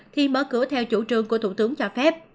thì mở cửa theo chủ trương của thủ tướng cho phép